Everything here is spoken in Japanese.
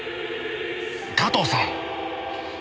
加藤さん！